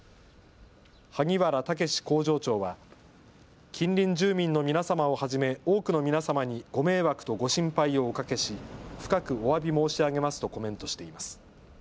萩原丈士工場長は近隣住民の皆様をはじめ多くの皆様にご迷惑とご心配をおかけし深くおわび申し上げますとコメントしています。